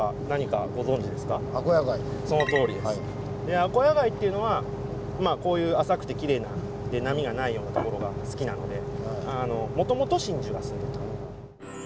アコヤ貝っていうのはこういう浅くてきれいな波がないような所が好きなのでもともと真珠が住んでた。